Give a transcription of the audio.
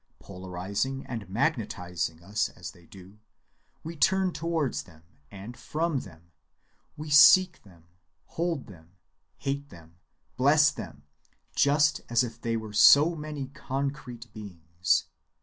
Polarizing and magnetizing us as they do, we turn towards them and from them, we seek them, hold them, hate them, bless them, just as if they were so many concrete beings.